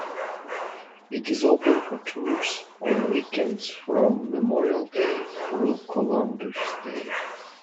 It is open for tours on weekends from Memorial Day through Columbus Day.